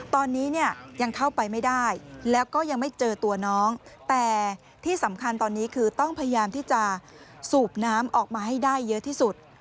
ตอนนี้เนี่ยยังเข้าไปไม่ได้แล้วก็ยังไม่เจอตัวน้องแต่ที่สำคัญตอนนี้คือต้องพยายามที่จะสูบน้ำออกมาให้ได้เยอะที่สุด